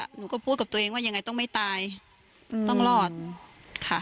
หนูก็พูดกับตัวเองว่ายังไงต้องไม่ตายต้องรอดค่ะ